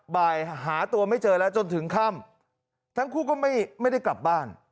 บ่ายหาตัวไม่เจอแล้วจนถึงค่ำทั้งคู่ก็ไม่ได้กลับบ้าน